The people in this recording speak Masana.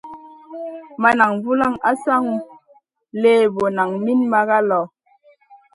Ma nan vulaŋ asaŋu lébo naŋ min mara lo.